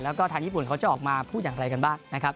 แล้วก็ทางญี่ปุ่นเขาจะออกมาพูดอย่างไรกันบ้างนะครับ